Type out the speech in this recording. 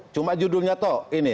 cuma judulnya toh ini